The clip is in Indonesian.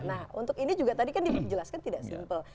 nah untuk ini juga tadi kan dijelaskan tidak simpel